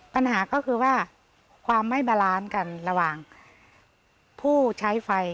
ปัญหาก็คือว่าความไม่บาลานซ์กันระหว่างผู้ใช้ไฟ